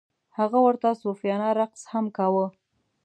هغه ورته صوفیانه رقص هم کاوه.